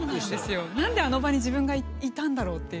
なんであの場に自分がいたんだろうっていう。